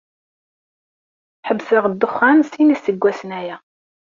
Ḥebseɣ dduxxan sin iseggasen aya.